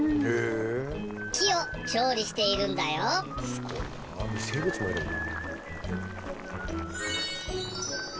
すごいなあ微生物もいるんだ。